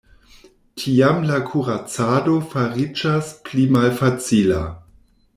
Tiam la kuracado fariĝas pli malfacila.